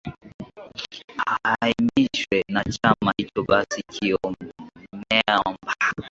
hamishwe na chama hicho basi kimeomba